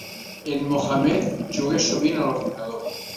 En Mohamed juga sovint a l'ordinador.